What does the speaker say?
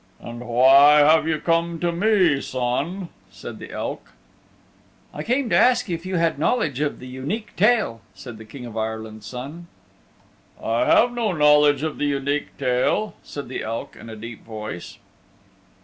"And why have you come to me, son?" said the Elk. "I came to ask if you had knowledge of the Unique Tale," said the King of Ireland's Son. "I have no knowledge of the Unique Tale," said the Elk in a deep voice.